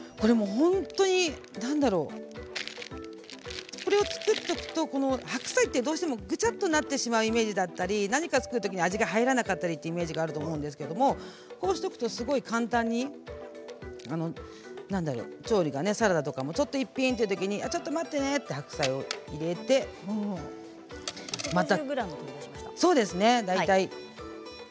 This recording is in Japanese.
本当に、何だろうこれを作っておくと白菜ってどうしてもぐちゃっとなってしまうイメージだったり何か作るときに味が入らなかったりというイメージがあると思うんですけれどもこうしておくとすごく簡単に何だろう、調理が、サラダとかもちょっと一品というときに１５０ｇ入れました。